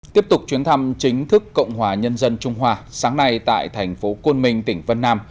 tiếp tục chuyến thăm chính thức cộng hòa nhân dân trung hoa sáng nay tại thành phố côn minh tỉnh vân nam